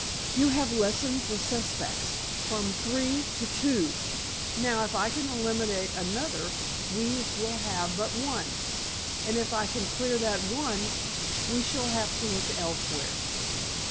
You have lessened the suspects from three to two; now if I can eliminate another we will have but one; and if I can clear that one, we shall have to look elsewhere."